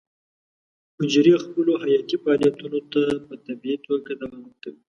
حجرې خپلو حیاتي فعالیتونو ته په طبیعي توګه دوام ورکوي.